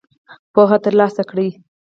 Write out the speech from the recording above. پوهه تر لاسه کړئ